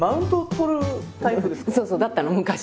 そうそう！だったの昔は。